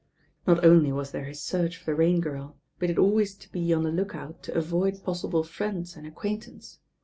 Not only was there his search for the Rain Girl; but he had always to be on the look out to avoid possible friends and acquaintance.